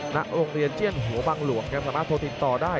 ณโรงเรียนเจียนหัวบังหลวงครับสามารถโทรติดต่อได้